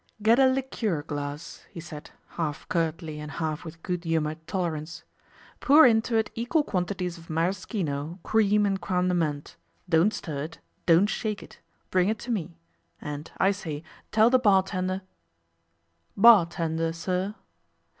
'Get a liqueur glass,' he said, half curtly and half with good humoured tolerance, 'pour into it equal quantities of maraschino, cream, and crême de menthe. Don't stir it; don't shake it. Bring it to me. And, I say, tell the bar tender ' 'Bar tender, sir?